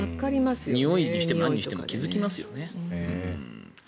においにしても、なんにしても気付きますよね。